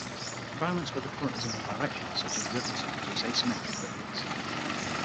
Environments where the current is in one direction, such as rivers, produce asymmetric ripples.